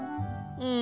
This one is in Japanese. うん。